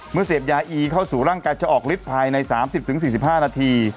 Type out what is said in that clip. เสพยาอีเข้าสู่ร่างกายจะออกฤทธิ์ภายใน๓๐๔๕นาที